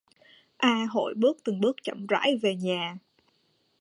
A hội bước từng bước chậm rãi về nhà